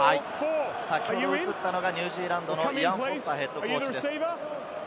先ほど映ったのがニュージーランドのイアン・フォスターＨＣです。